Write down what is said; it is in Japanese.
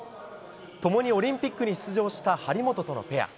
共にオリンピックに出場した張本とのペア。